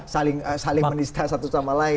saling menista satu sama lain